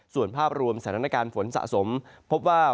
ส่วนภาพรวมสถานการณ์ฝนสะสมพบว่า